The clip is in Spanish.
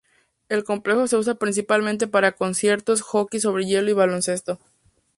El complejo se usa principalmente para conciertos, hockey sobre hielo y baloncesto.